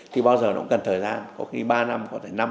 thì bao giờ nó cũng cần thời gian có khi ba năm có thể năm